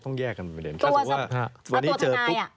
ต้องแยกกันไปเดี๋ยวถ้าสมมุติว่าวันนี้เจอธนาย